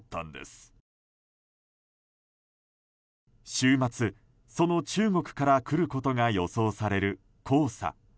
週末、その中国から来ることが予想される黄砂。